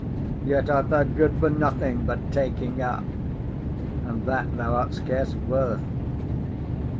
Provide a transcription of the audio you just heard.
Yet art thou good for nothing but taking up, and that thou art scarce worth.